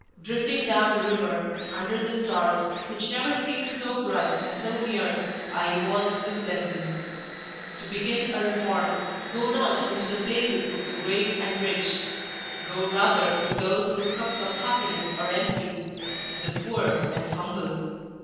Drifting down the river, under the stars, which never seemed so bright and so near, I evolved this lesson: To begin a reform, go not into the places of the great and rich; go rather to those whose cups of happiness are empty—to the poor and humble.